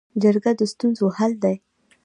جرګه د ستونزو حل دی